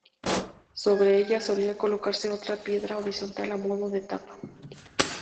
Sobre ellas solía colocarse otra piedra horizontal a modo de tapa.